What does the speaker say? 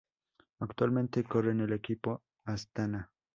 Actualmente corre en el equipo Astana.